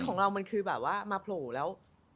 ของเรามันคือมาโผล่แล้ว